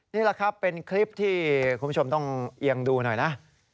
นี่แหละครับเป็นคลิปที่คุณผู้ชมต้องเอียงดูหน่อยนะ